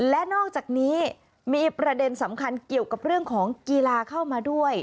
และนอกจากนี้มีประเด็นสำคัญเกี่ยวกับเรื่องของกีฬาเข้ามาด้วย